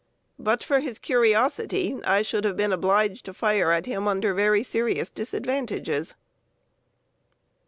But for his curiosity I should have been obliged to fire at him under very serious disadvantages.